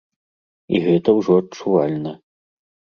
І гэта ўжо адчувальна.